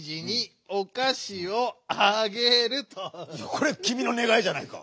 これきみのねがいじゃないか。